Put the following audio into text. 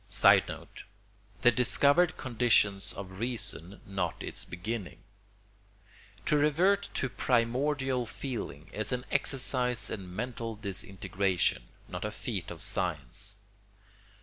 [Sidenote: The discovered conditions of reason not its beginning.] To revert to primordial feeling is an exercise in mental disintegration, not a feat of science.